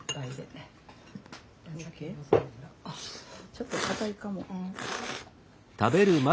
ちょっと固いかも。